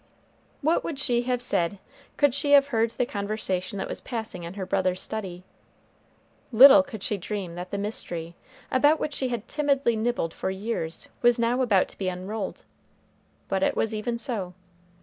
What would she have said could she have heard the conversation that was passing in her brother's study? Little could she dream that the mystery, about which she had timidly nibbled for years, was now about to be unrolled; but it was even so.